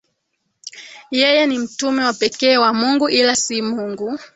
yeye ni mtume wa pekee wa Mungu ila si Mungu